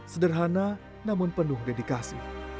sederhana namun penuh dedikasi